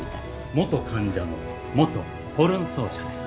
元患者の元ホルン奏者です。